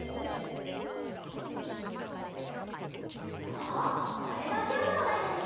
あっこれがきょうのおだいだね？